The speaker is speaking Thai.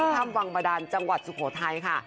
ถ้ำวังบาดานจังหวัดสุโขทัยค่ะ